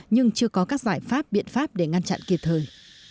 nhưng chưa có các giải pháp biện pháp để ngăn chặn kịp thời